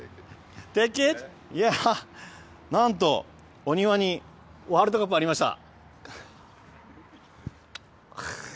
なんと、お庭にワールドカップありました。